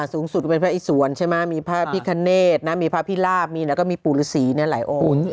สูงสุดเป็นพระอีสวรพระพิครเนตพระพิลาบแล้วก็มีปู่ฤษีหลายองค์